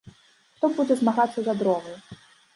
Хто будзе змагацца за дровы?